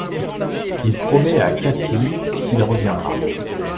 Il promet à Käthi qu'il reviendra.